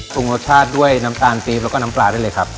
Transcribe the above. ปรุงรสชาติด้วยน้ำตาลฟิล์มแล้วก็น้ำปลาได้เลยครับ